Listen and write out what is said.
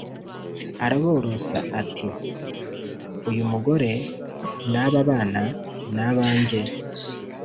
, araborosora ati: "Uyu mugore n’ aba bana ni abanjye"